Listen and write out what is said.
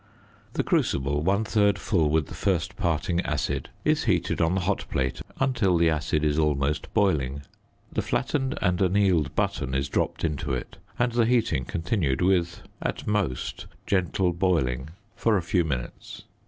The crucible, one third full with the first parting acid, is heated on the hot plate until the acid is almost boiling. The flattened and annealed button is dropped into it and the heating continued with, at most, gentle boiling for a few minutes.